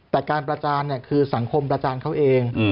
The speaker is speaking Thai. แต่การประจานคือสังคมประจานเขาเอง